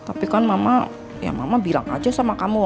tapi kan mama ya mama bilang aja sama kamu